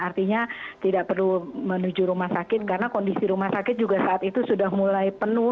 artinya tidak perlu menuju rumah sakit karena kondisi rumah sakit juga saat itu sudah mulai penuh